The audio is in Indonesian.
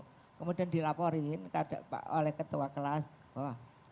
kemudian dilaporin oleh ketua kelas bahwa